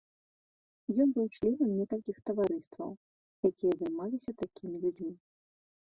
Ён быў членам некалькіх таварыстваў, якія займаліся такімі людзьмі.